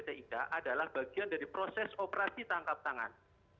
dan pt ika adalah bagian dari proses operasi tangkap tangan